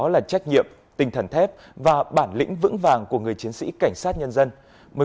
đó là trách nhiệm tinh thần thép và bản lĩnh vững vàng của người chiến sĩ cảnh sát nhân dân